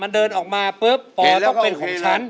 มันเดินออกมาปุ๊บปอต้องเป็นของฉัน